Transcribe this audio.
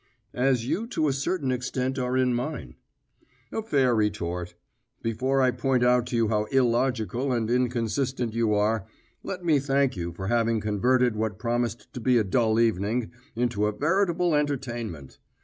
"As you to a certain extent are in mine." "A fair retort. Before I point out to you how illogical and inconsistent you are, let me thank you for having converted what promised to be a dull evening into a veritable entertainment.